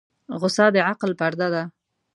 غوسه د عقل پرده ده.